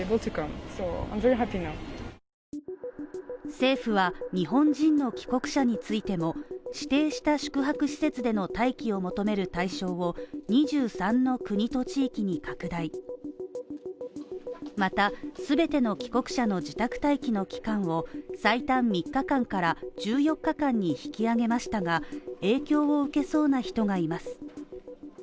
政府は日本人の帰国者についても、指定した宿泊施設での待機を求める対象を２３の国と地域に拡大、また全ての帰国者の自宅待機の期間を最短３日間から１４日間に引き上げましたが、影響を受けそうな人がいます。